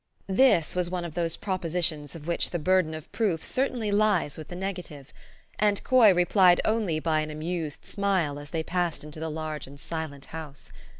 This was one of those propositions of which the burden of proof certainly lies with the negative ; and Coy replied only by an amused smile as they passed into the large and silent house.